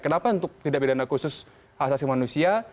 kenapa untuk tindak pidana khusus asasi manusia